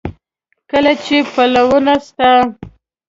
کله چې پلونه ستا،